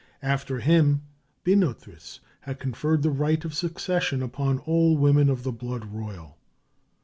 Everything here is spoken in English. After him, Binothris had conferred the right of succession upon all women of the blood royal.